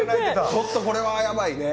ちょっとこれはヤバいね。